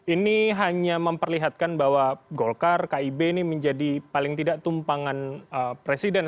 ini hanya memperlihatkan bahwa golkar kib ini menjadi paling tidak tumpangan presiden